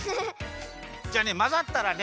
じゃあねまざったらね